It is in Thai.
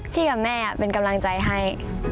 กับแม่เป็นกำลังใจให้